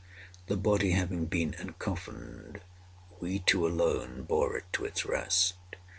The body having been encoffined, we two alone bore it to its rest.